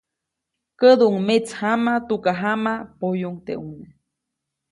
Käduʼuŋ metsjama, tukajama, poyuʼuŋ teʼ ʼune.